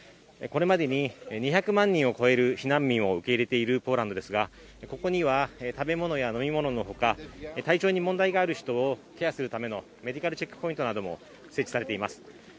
これまでに２００万人を超える避難民を受け入れているポーランドですが、ここには食べ物や飲み物のほか体調に問題がある人をケアするためのメディカルチェックポイントなども設置されています。